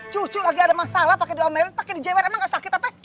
cucu lagi ada masalah pakai doa merit pakai djw emang gak sakit apa